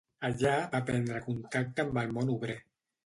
Allà va prendre contacte amb el món obrer.